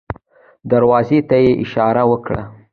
دروازې ته يې اشاره وکړه.